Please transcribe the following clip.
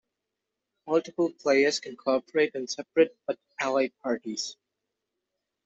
Multiple players can cooperate in separate-but-allied parties.